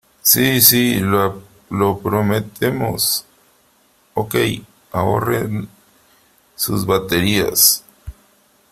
¡ Sí !¡ sí !¡ lo prometemos !¡ ok ! ahorren sus baterías .